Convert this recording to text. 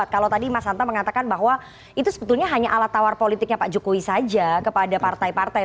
kalau tadi mas hanta mengatakan bahwa itu sebetulnya hanya alat tawar politiknya pak jokowi saja kepada partai partai